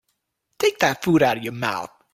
Take that food out of your mouth.